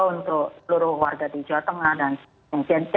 untuk seluruh warga di jawa tengah dan